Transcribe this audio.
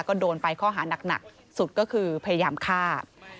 ก็โดนไปข้อหานักสุดก็คือพยายามฆ่า